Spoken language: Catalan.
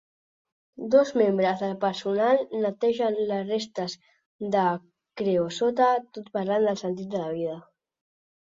Dos membres del personal netegen les restes de creosota tot parlant del sentit de la vida.